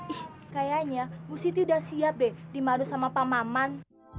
ih kayaknya bu siti udah siap deh dimadu sama pak maman